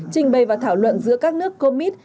trình bày và thảo luận giữa các nước comet